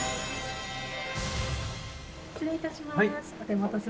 「失礼いたします。